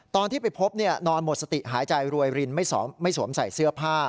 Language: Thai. ตอนที่ไปพบนอนหมดสติหายใจรวยรินไม่สวมใส่เสื้อผ้า